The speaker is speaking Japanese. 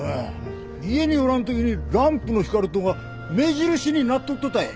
家におらんときにランプの光るとが目印になっとっとたい。